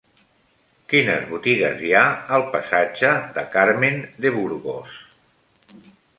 Quines botigues hi ha al passatge de Carmen de Burgos?